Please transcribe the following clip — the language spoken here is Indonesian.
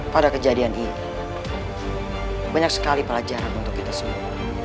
pada kejadian ini banyak sekali pelajaran untuk kita semua